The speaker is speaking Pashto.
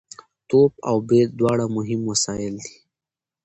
توپ او بېټ دواړه مهم وسایل دي.